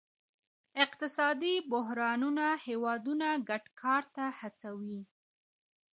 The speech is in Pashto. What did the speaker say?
اقتصادي بحرانونه هیوادونه ګډ کار ته هڅوي